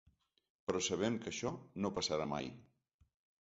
Però sabem que això no passarà mai.